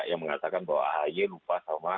yang mengatakan bahwa ahy lupa sama